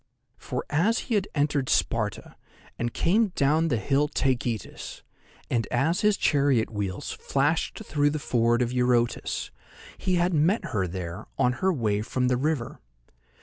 For, as he entered Sparta, and came down the hill Taygetus, and as his chariot wheels flashed through the ford of Eurotas, he had met her there on her way from the river.